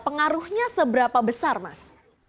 pengaruhnya seberapa besar mas